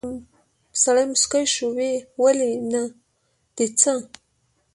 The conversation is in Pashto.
سړی موسکی شو: ولې، نه دي څه؟